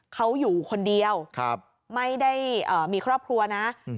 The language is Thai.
เขาอยู่คนเดียวครับไม่ได้เอ่อมีครอบครัวนะอืม